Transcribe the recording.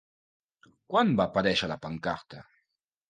Quan va aparèixer la pancarta?